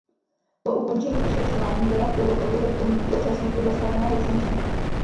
Po ukončení vyšetřování byla pilotovi vrtulníku dočasně pozastavena licence.